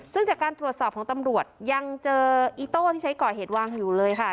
ซึ่งจากการตรวจสอบของตำรวจยังเจออีโต้ที่ใช้ก่อเหตุวางอยู่เลยค่ะ